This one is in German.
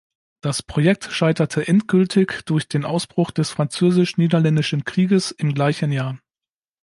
Das Projekt scheiterte endgültig durch den Ausbruch des Französisch-Niederländischen Krieges im gleichen Jahr.